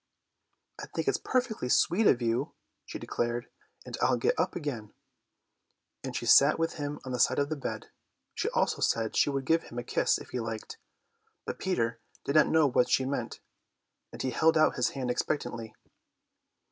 "I think it's perfectly sweet of you," she declared, "and I'll get up again," and she sat with him on the side of the bed. She also said she would give him a kiss if he liked, but Peter did not know what she meant, and he held out his hand expectantly.